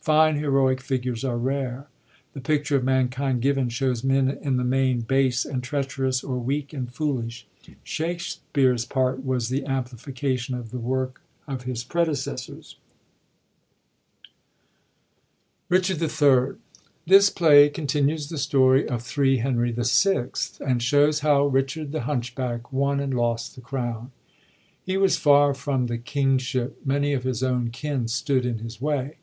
Fine, heroic figures are rare. The picture of mankind given shows men in the main base and treacherous, or weak and foolish. Shakspere's part was the amplification of the work of his predecessors. S5 RICHAR1> THE THIRD RiCHABD III.— This play continues the story of 3 Henry VI., and shows how Richard the hunchback won and lost the crown. He was far from the king ship : many of his own kin stood in his way.